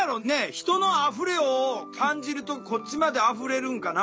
人の「あふれ」を感じるとこっちまであふれるんかな？